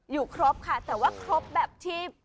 อยู่ครบค่ะแต่ว่าครบแบบที่